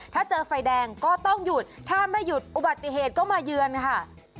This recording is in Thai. ถ้าเจอไฟแดงก็ต้องหยุดถ้าไม่หยุดอุบัติเหตุก็มาเยือนค่ะ